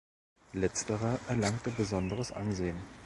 Letzterer erlangte besonderes Ansehen.